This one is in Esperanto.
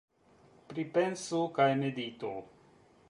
Pripensu kaj meditu.